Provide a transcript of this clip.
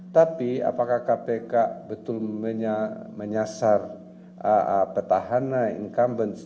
tapi apakah kpk betul menyasar petahana incumbent